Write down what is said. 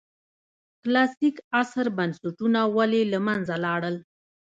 کلاسیک عصر بنسټونه ولې له منځه لاړل.